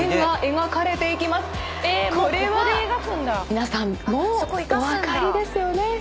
皆さんもうお分かりですよね？